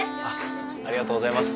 ありがとうございます。